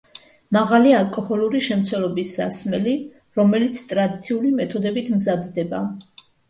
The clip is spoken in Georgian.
მაღალი ალკოჰოლური შემცველობის სასმელი, რომელიც ტრადიციული მეთოდებით მზადდება.